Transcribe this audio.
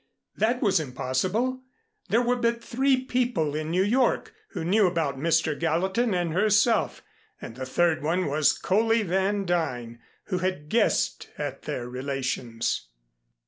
That was impossible. There were but three people in New York who knew about Mr. Gallatin and herself, and the third one was Coley Van Duyn, who had guessed at their relations.